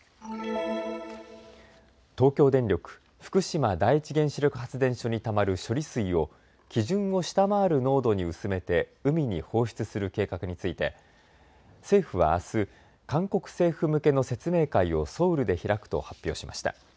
東京電力福島第一原子力発電所にたまる処理水を基準を下回る濃度に薄めて海に放出する計画について政府はあす韓国政府向けの説明会をソウルで開くと発表しました。